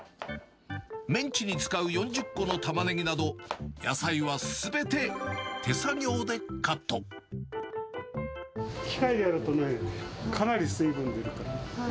メンチに使う４０個のタマネギなど、機械でやるとね、かなり水分出るから。